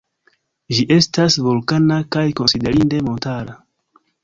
Ĝi estas vulkana kaj konsiderinde montara.